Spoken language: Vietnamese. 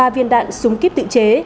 ba viên đạn súng kíp tự chế